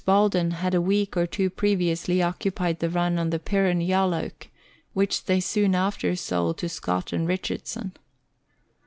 Bolden had a week or two previously occupied the run on the Pirron Yalloak, which they soon after sold to Scott and Richard son.